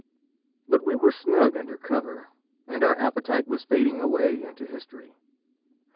But we were snug under cover, and our appetite was fading away into history.